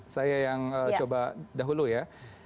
saya yang coba dahulu ya